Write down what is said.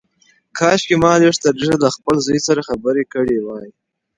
کاشکي ما لږ تر لږه له خپل زوی سره خبرې کړې وای.